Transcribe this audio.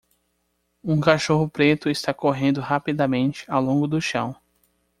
Um cachorro preto está correndo rapidamente ao longo do chão